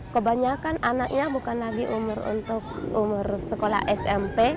kebanyakan anaknya bukan lagi umur untuk umur sekolah smp